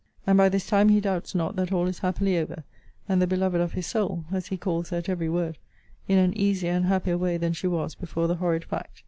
And by this time he doubts not that all is happily over; and the beloved of his soul (as he calls her at ever word) in an easier and happier way than she was before the horrid fact.